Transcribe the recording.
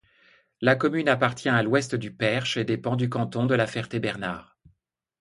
La commune appartient à l'Ouest du Perche et dépend du canton de La Ferté-Bernard.